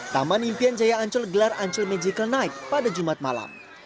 taman impian jaya ancol gelar ancol magical night pada jumat malam